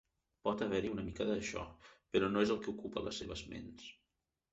Pot haver-hi una mica d'això, però no és el que ocupa les seves ments.